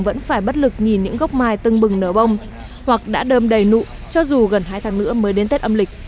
vẫn phải bất lực nhìn những gốc mai tưng bừng nở bông hoặc đã đơm đầy nụ cho dù gần hai tháng nữa mới đến tết âm lịch